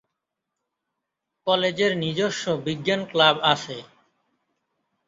কলেজের নিজস্ব বিজ্ঞান ক্লাব আছে।